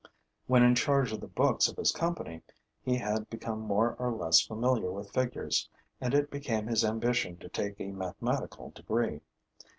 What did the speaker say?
When in charge of the books of his company he had become more or less familiar with figures; and it became his ambition to take a mathematical degree.